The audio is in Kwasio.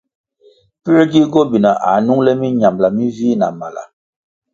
Pue gi gobina ā nung le minambʼla minvih na mala?